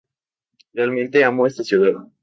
Realmente amo esta ciudad.